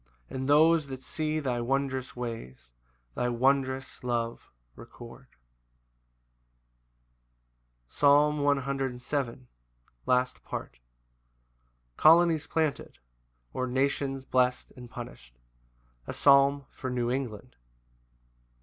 And those that see thy wondrous ways, Thy wondrous love record. Psalm 107:6. Last Part. Colonies planted; or, Nations blest and punished. A psalm for New England.